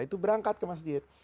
itu berangkat ke masjid